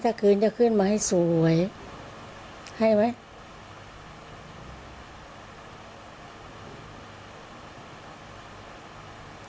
ถ้าคืนจะขึ้นมาให้สวยให้ไหม